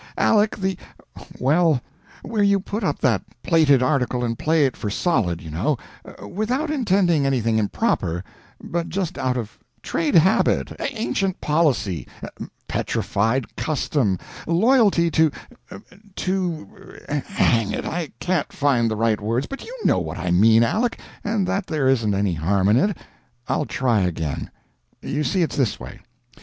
Aleck the well, where you put up that plated article and play it for solid, you know, without intending anything improper, but just out of trade habit, ancient policy, petrified custom, loyalty to to hang it, I can't find the right words, but _you _know what I mean, Aleck, and that there isn't any harm in it. I'll try again. You see, it's this way.